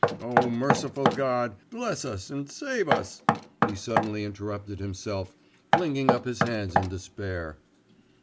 O merciful God, bless us and save us!' he suddenly interrupted himself, flinging up his hands in despair.